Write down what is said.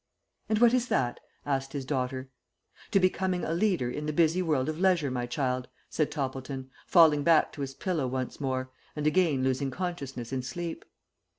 "And what is that?" asked his daughter. "To becoming a leader in the busy world of leisure, my child," said Toppleton, falling back to his pillow once more, and again losing consciousness in sleep.